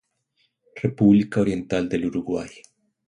República Oriental del Uruguay.